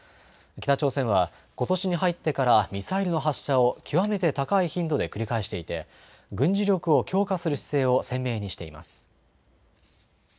北朝鮮は、ことしに入ってからミサイルの発射を極めて高い頻度で繰り返していて軍事力を強化する姿勢を鮮明にしています。